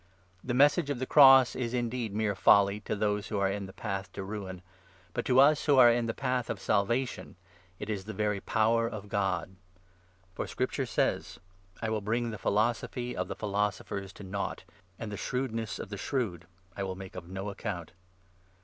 The Message of the Cross is indeed mere folly 18 Tth«Pcro1fc°r to those who are' in the path to Ruin, but to us who are in the path of Salvation it is the very power of God. For Scripture says — 19 ' I will bring the philosophy of the philosophers to nought, And the shrewdness of the shrewd I will make of no account.'